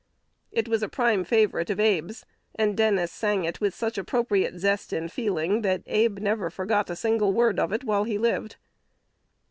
It was a prime favorite of Abe's; and Dennis sang it with such appropriate zest and feeling, that Abe never forgot a single word of it while he lived.